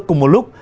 cùng một lúc